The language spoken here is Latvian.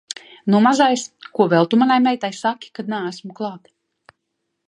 Nu, mazais, ko vēl tu manai meitai saki, kad neesmu klāt?